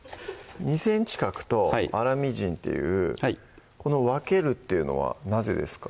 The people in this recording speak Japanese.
２ｃｍ角と粗みじんっていうこの分けるっていうのはなぜですか？